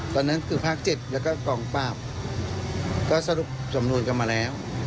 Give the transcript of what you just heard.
ตอนนั้นคือภาค๗แล้วก็กองปราบก็สรุปสำนวนกันมาแล้ว